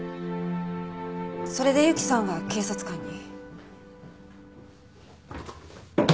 それで由紀さんは警察官に。